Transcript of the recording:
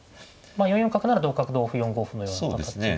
４四角なら同角同歩４五歩のような感じで。